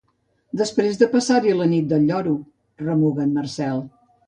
Després de passar-hi la nit del lloro —remuga el Marcel.